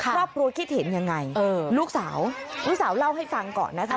ครอบครัวคิดเห็นยังไงลูกสาวลูกสาวเล่าให้ฟังก่อนนะคะ